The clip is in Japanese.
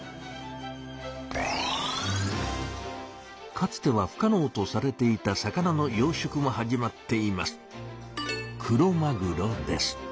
かつては不かのうとされていた魚の養しょくも始まっています。